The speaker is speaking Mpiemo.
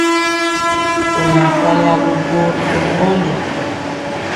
Ɔ naa kwali agwogwo to mbɔli.